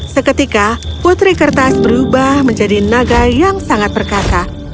seketika putri kertas berubah menjadi naga yang sangat berkata